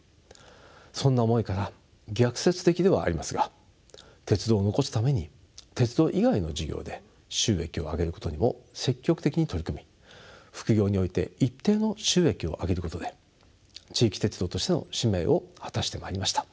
そんな思いから逆説的ではありますが鉄道を残すために鉄道以外の事業で収益を上げることにも積極的に取り組み副業において一定の収益を上げることで地域鉄道としての使命を果たしてまいりました。